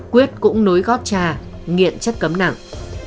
quyết cũng nối gót trà nghiện chất cấm nặng